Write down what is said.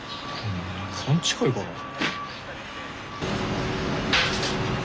勘違いかなあ？